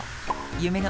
夢の